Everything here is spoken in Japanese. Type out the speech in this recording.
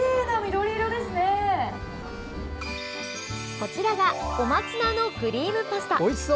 こちらが小松菜のクリームパスタ。